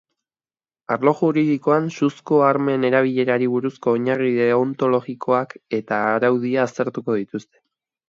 Arlo juridikoan suzko armen erabilerari buruzko oinarri deontologikoak eta araudia aztertuko dituzte.